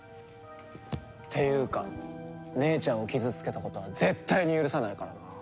っていうか姉ちゃんを傷つけたことは絶対に許さないからな。